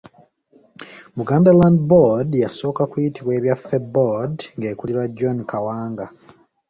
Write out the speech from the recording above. Buganda Land Board yasooka kuyitibwa Ebyaffe Board nga ekulirwa John Kawanga.